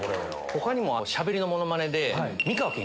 他にもしゃべりのモノマネで。